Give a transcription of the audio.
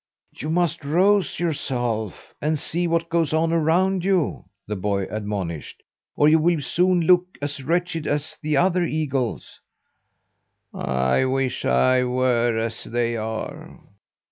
"You must rouse yourself, and see what goes on around you," the boy admonished, "or you will soon look as wretched as the other eagles." "I wish I were as they are!